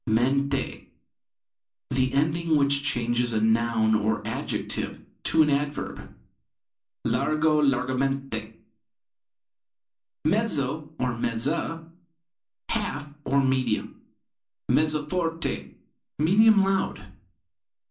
Mente the ending which changes a noun or adjective to an adverb. Largo largamente. Mezzo or mezza half, or medium. Mezzo forte medium loud.